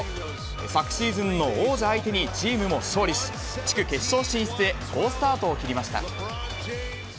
昨シーズンの王者相手にチームも勝利し、地区決勝進出へ、好スタートを切りました。